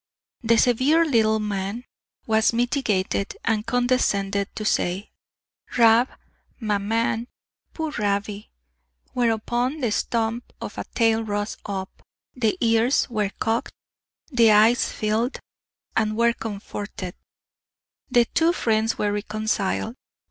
The severe little man was mitigated, and condescended to say, "Rab, ma man, puir Rabbie" whereupon the stump of a tail rose up, the ears were cocked, the eyes filled, and were comforted; the two friends were reconciled.